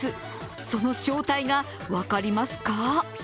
その正体が分かりますか？